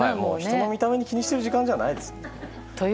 人の見た目を気にしてる時間じゃないです。